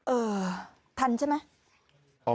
เออทันใช่ไหม